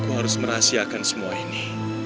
aku harus merahasiakan semua ini